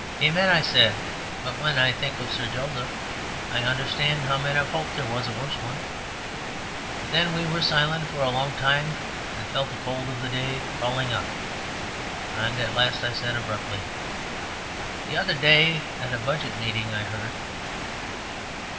"Amen," I said. "But when I think of Sir Joseph, I understand how men have hoped there was a worse one." Then we were silent for a long time and felt the cold of the day crawling up, and at last I said, abruptly: "The other day at a Budget meeting, I heard."